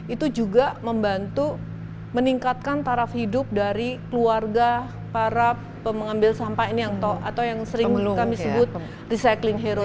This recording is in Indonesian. itu juga membantu meningkatkan taraf hidup dari keluarga para pengambil sampah atau yang sering kami sebut recycling hero